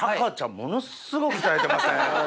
ものすごく鍛えてません？